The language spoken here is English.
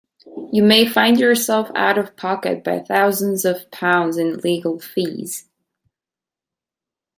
You may find yourself out of pocket by thousands of pounds in legal fees.